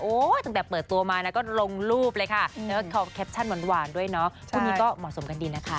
โอ๊ยจนแต่เปิดตัวมันเราก็ลงลูกเลยค่ะ